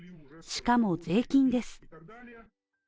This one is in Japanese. しかも税金です。